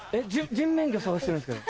人面魚探してるんですけど。